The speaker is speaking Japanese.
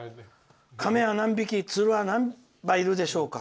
カメは何匹ツルは何羽いるでしょうか。